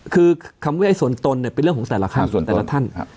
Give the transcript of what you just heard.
คือคำวินิจฉัยส่วนตนเนี่ยเป็นเรื่องของแต่ละท่าน